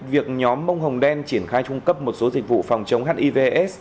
việc nhóm bông hồng đen triển khai trung cấp một số dịch vụ phòng chống hiv aids